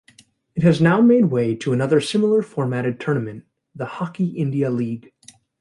It has now made way to another similar formatted tournament, the Hockey India League.